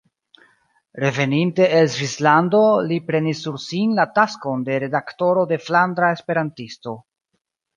Reveninte el Svislando li prenis sur sin la taskon de redaktoro de "Flandra Esperantisto".